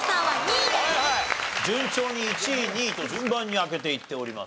順調に１位２位と順番に開けていっております。